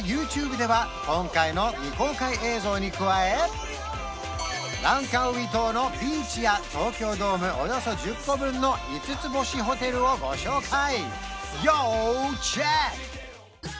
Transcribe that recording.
ＹｏｕＴｕｂｅでは今回の未公開映像に加えランカウイ島のビーチや東京ドームおよそ１０個分の５つ星ホテルをご紹介要チェック！